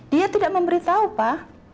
dia tidak memberitahu pa